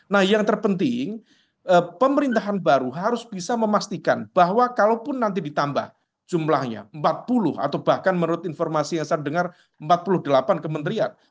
nah yang terpenting pemerintahan baru harus bisa memastikan bahwa kalaupun nanti ditambah jumlahnya empat puluh atau bahkan menurut informasi yang saya dengar empat puluh delapan kementerian